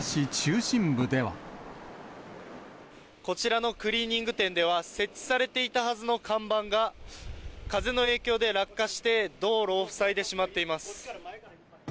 こちらのクリーニング店では、設置されていたはずの看板が風の影響で落下して、道路を塞いでしまっています。